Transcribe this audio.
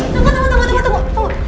tunggu tunggu tunggu